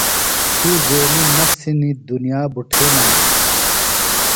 تھی زُوینی مست ہِنیۡ دُنیا بُٹھے منانوۡ۔